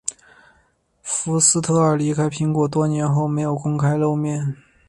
福斯特尔离开苹果多年后没有公开露面。